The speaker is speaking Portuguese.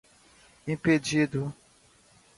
impedido